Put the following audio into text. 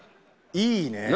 いいね。